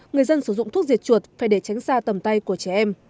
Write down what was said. người dân sử dụng thuốc diệt chuột phải để tránh xa tầm tay của trẻ em